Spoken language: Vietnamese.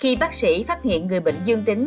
khi bác sĩ phát hiện người bệnh dương tính